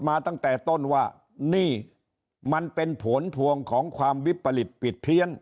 มาตั้งแต่ต้นว่านี่มันเป็นผลพวงของความวิปริตปิดเพี้ยน